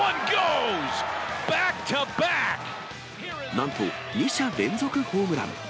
なんと、２者連続ホームラン。